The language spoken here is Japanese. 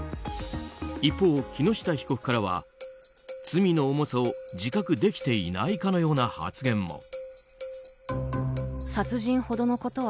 一方、木下被告からは罪の重さを自覚できていないかのような発言も。